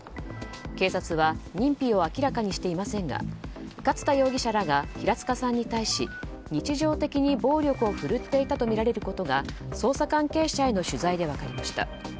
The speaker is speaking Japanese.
警察は認否を明らかにしていませんが勝田容疑者らが平塚さんに対し日常的に暴力をふるっていたとみられることが捜査関係者への取材で分かりました。